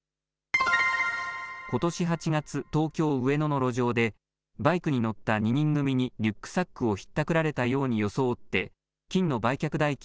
ことし８月、東京上野の路上でバイクに乗った２人組にリュックサックをひったくられたように装って金の売却代金